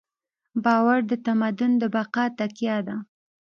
باور د تمدن د بقا تکیه ده.